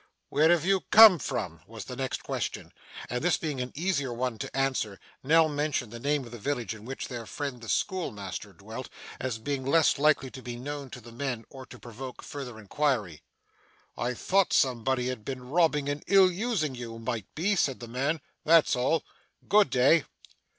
'Where have you come from?' was the next question; and this being an easier one to answer, Nell mentioned the name of the village in which their friend the schoolmaster dwelt, as being less likely to be known to the men or to provoke further inquiry. 'I thought somebody had been robbing and ill using you, might be,' said the man. 'That's all. Good day.